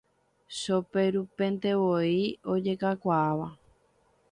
Choperupentevoi ojekuaáva.